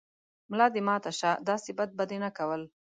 ملا دې ماته شۀ، داسې بد به دې نه کول